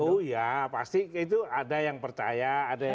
oh ya pasti itu ada yang percaya